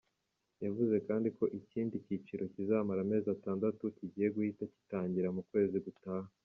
Yavuze kandi ko ikindi cyiciro kizamara amezi atandatu kigiye guhita gitangira mu kwezi gutaha.